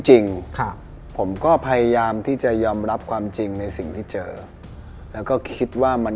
จริงครับผมก็พยายามที่จะยอมรับความจริงในสิ่งที่เจอแล้วก็คิดว่ามัน